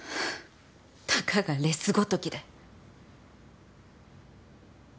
たかがレスごときで。